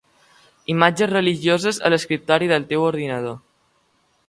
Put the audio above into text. Imatges religioses a l'escriptori del teu ordinador.